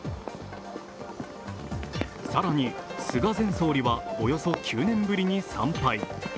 更に、菅前総理はおよそ９年ぶりに参拝。